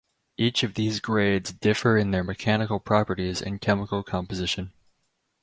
Each of these grades differ in their mechanical properties and chemical composition.